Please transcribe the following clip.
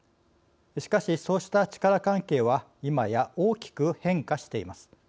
しかし、そうした力関係は今や大きく変化しています。